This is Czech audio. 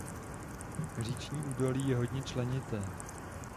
Říční údolí je hodně členité.